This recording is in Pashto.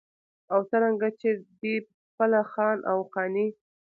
او څرنګه چې دى پخپله خان و او خاني